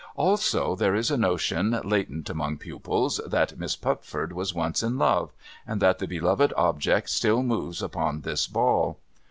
Also, there is a notion latent among pupils, that Miss Pupford was once in love, and that the beloved object still moves upon this ball.